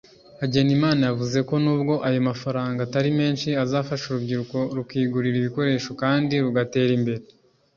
Hagenimana yavuze ko nubwo ayo mafaranga atari menshi azafasha urwo rubyiruko rukigurira ibikoresho kandi rugatera imbere